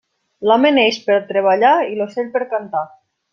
L'home neix per treballar i l'ocell per cantar.